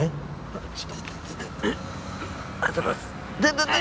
ありがとうございます痛たた。